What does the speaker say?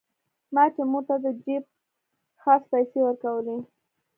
ما چې مور ته د جيب خرڅ پيسې ورکولې.